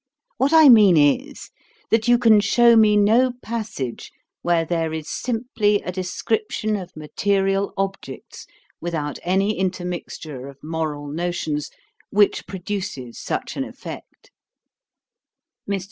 What I mean is, that you can shew me no passage where there is simply a description of material objects, without any intermixture of moral notions, which produces such an effect.' Mr.